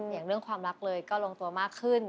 อย่างเรื่องความรักเลยก็ลงตัวมากขึ้น